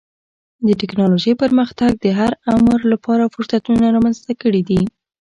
د ټکنالوجۍ پرمختګ د هر عمر لپاره فرصتونه رامنځته کړي دي.